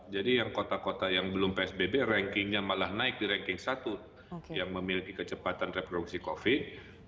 jadi yang kota kota yang belum psbb rankingnya malah naik di ranking satu yang memiliki kecepatan reproduksi covid